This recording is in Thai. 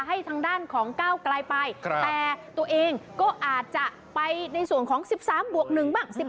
ให้ทางด้านของก้าวไกลไปแต่ตัวเองก็อาจจะไปในส่วนของ๑๓บวก๑บ้าง